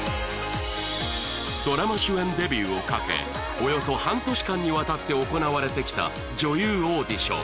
ドラマ主演デビューをかけおよそ半年間にわたって行われてきた女優オーディション